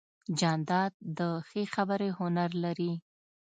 جانداد د ښې خبرې هنر لري.